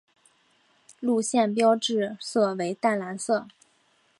线路标志色为淡蓝色。